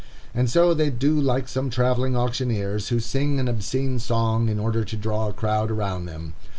And so they do like some travelling auctioneers, who sing an obscene song in order to draw a crowd around them.